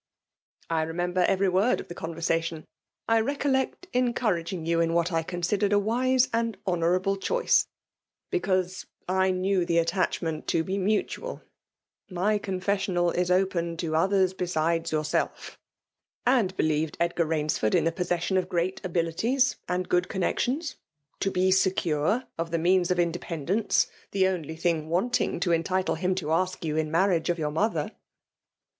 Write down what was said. *' I remember every word of the eoawraa tion. I recollect encouraging you in what I eonsidered a wise and honourable diioice, be* cause I knew the attachment to be muiiaal««i> (my Confessional is open to others hesideB yourself;) and believed Edgar Bainsfiml in tb^ possession of great abilities and good con nexionsy to be secure of the means of indep^ dence — the only thing wanting to entitle him to ask you in marriage of your mother.